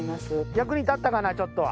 役に立ったかなちょっとは。